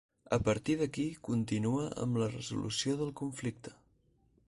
A partir d'aquí, continua amb la resolució del conflicte.